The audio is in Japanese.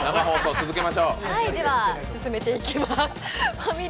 では進めていきます。